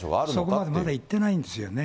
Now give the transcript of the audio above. そこはまだいってないんですよね。